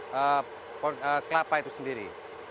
kemudian juga untuk perawatan kelapa itu sendiri